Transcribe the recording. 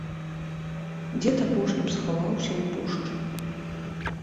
Дзед апошнім схаваўся ў пушчы.